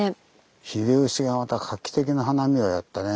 秀吉がまた画期的な花見をやってね。